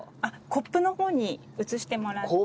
コップの方に移してもらって。